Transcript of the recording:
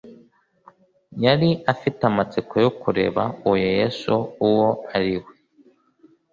yari afite amatsiko yo kureba uwo yesu uwo ari we